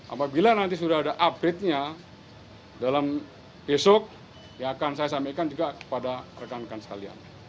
apabila nanti sudah ada update nya dalam besok ya akan saya sampaikan juga kepada rekan rekan sekalian